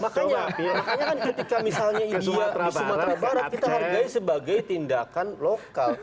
makanya makanya kan ketika misalnya india di sumatera barat kita hargai sebagai tindakan lokal